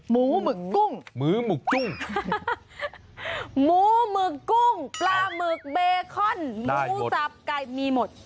หมึกกุ้งหมูหมึกกุ้งหมูหมึกกุ้งปลาหมึกเบคอนหมูสับไก่มีหมด